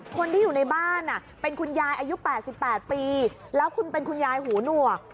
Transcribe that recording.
คนที่อยู่ในบ้านเป็นคุณยายอายุ๘๘ปีแล้วคุณเป็นคุณยายหูหนวก